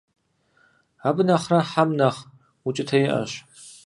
Абы нэхърэ хьэм нэхъ укӀытэ иӀэщ.